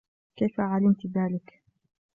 كيف علمتِ ذلك؟